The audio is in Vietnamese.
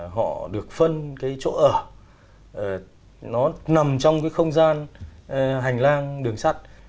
họ được phân cái chỗ ở nó nằm trong cái không gian hành lang đường sắt